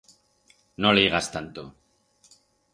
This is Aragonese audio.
No leigas tanto.